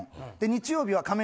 日曜日は。